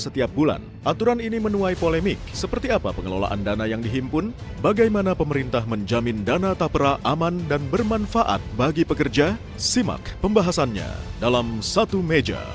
sebelum berikutnya ini kita akan membahasnya dalam satu meja